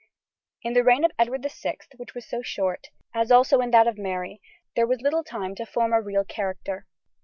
In the reign of Edward VI, which was so short, as also in that of Mary, there was little time to form a real character.